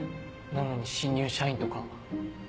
なのに新入社員とか。